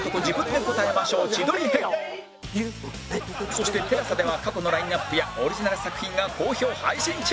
そして ＴＥＬＡＳＡ では過去のラインアップやオリジナル作品が好評配信中！